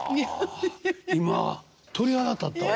今鳥肌立ったわ。